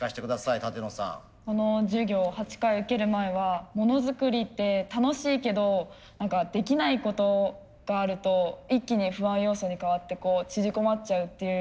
この授業８回受ける前はモノづくりって楽しいけど何かできないことがあると一気に不安要素に変わってこう縮こまっちゃうていう。